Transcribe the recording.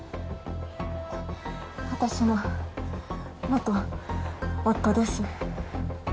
私の元夫です